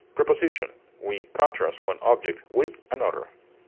Preposition: We contrast one object with another.